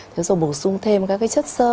thế rồi bổ sung thêm các cái chất sơ